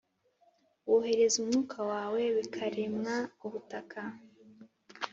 Wohereza umwuka wawe bikaremwa ubutaka